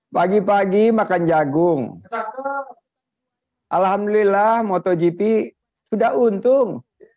pagi pagi makan jagung alhamdulillah motogp sudah untung